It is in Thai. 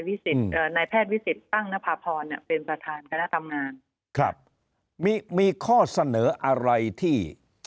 พาทวิสิตตั้งณพาพรเป็นประธานการทำงานครับมีข้อเสนออะไรที่